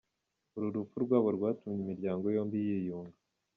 Uru rupfu rwabo rwatumye imiryango yombi yiyunga.